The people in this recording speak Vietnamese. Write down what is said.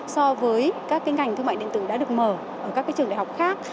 so với các cái ngành thương mại điện tử đã được mở ở các cái trường đại học khác